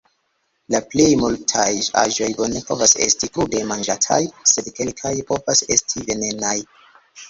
La plej multaj aĵoj bone povas esti krude manĝataj, sed kelkaj povas esti venenaj.